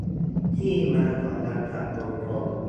ที่มาของวันฉัตรมงคล